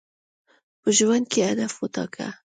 په ژوند کي هدف وټاکه.